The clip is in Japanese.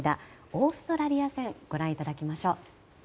オーストラリア戦をご覧いただきましょう。